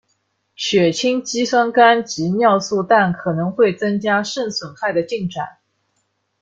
血清肌酸酐及尿素氮可能会增加肾损害的进展。